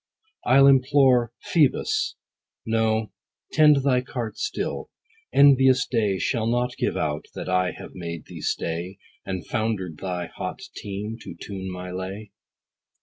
I'll implore Phoebus. No, tend thy cart still. Envious day Shall not give out that I have made thee stay, And founder'd thy hot team, to tune my lay.